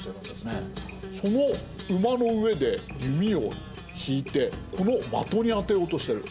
その馬の上で弓を引いてこの的に当てようとしてる。